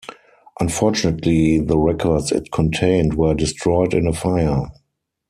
Unfortunately, the records it contained were destroyed in a fire.